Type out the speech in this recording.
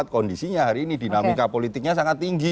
kondisinya hari ini dinamika politiknya sangat tinggi